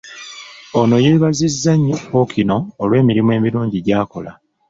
Ono yeebazizza nnyo Ppookino olw'emirimu emirungi gy'akola.